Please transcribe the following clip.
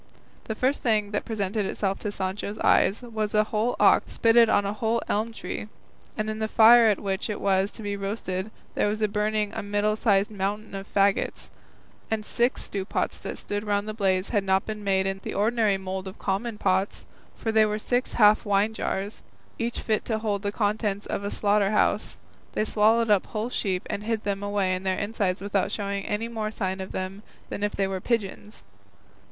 The first thing that presented itself to Sancho's eyes was a whole ox spitted on a whole elm tree, and in the fire at which it was to be roasted there was burning a middling sized mountain of faggots, and six stewpots that stood round the blaze had not been made in the ordinary mould of common pots, for they were six half wine jars, each fit to hold the contents of a slaughter house; they swallowed up whole sheep and hid them away in their insides without showing any more sign of them than if they were pigeons.